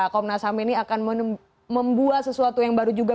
komnas ham ini akan membuat sesuatu yang baru juga